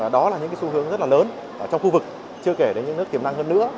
đó là những xu hướng rất là lớn trong khu vực chưa kể đến những nước tiềm năng hơn nữa